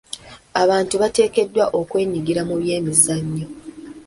Abantu bateekeddwa okwenyigira mu by'emizannyo.